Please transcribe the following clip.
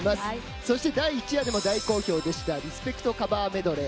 そして第１夜でも大好評でしたリスペクトカバーメドレー。